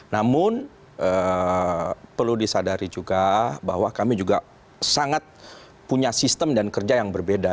namun perlu disadari juga bahwa kami juga sangat punya sistem dan kerja yang berbeda